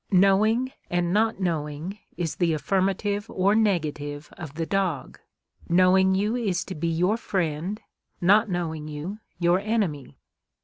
" Knowing and not knowing is the affirmative or negative of the dog ; knowing you is to be your friend ; not knowing you, your enemy."